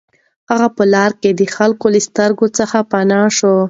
هغه په لاره کې د خلکو له سترګو څخه پناه شو